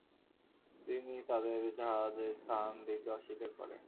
তিনি তাদের জাহাজে স্থান দিতে অস্বীকার করেন।